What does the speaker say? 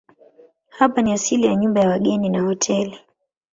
Hapa ni asili ya nyumba ya wageni na hoteli.